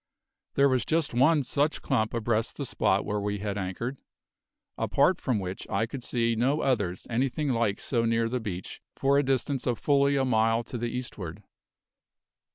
There was just one such clump abreast the spot where we had anchored, apart from which I could see no others anything like so near the beach for a distance of fully a mile to the eastward.